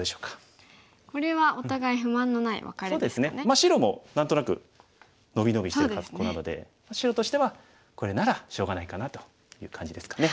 白も何となく伸び伸びしてる格好なので白としてはこれならしょうがないかなという感じですかね。